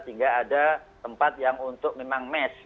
hingga ada tempat yang untuk memang mesh